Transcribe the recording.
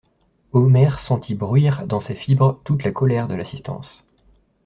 Omer sentit bruire dans ses fibres toute la colère de l'assistance.